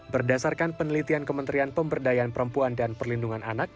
berdasarkan penelitian kementerian pemberdayaan perempuan dan perlindungan anak